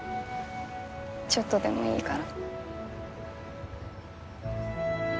ちょっとでもいいから。